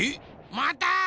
また！